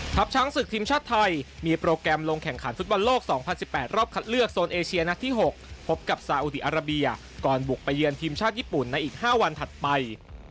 ช้างศึกทีมชาติไทยมีโปรแกรมลงแข่งขันฟุตบอลโลก๒๐๑๘รอบคัดเลือกโซนเอเชียนัดที่๖พบกับซาอุดีอาราเบียก่อนบุกไปเยือนทีมชาติญี่ปุ่นในอีก๕วันถัดไป